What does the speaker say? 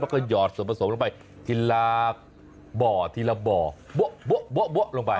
แล้วก็หยอดส่วนผสมลงไปทีละบ่อทีละบ่อโบ๊ะลงไป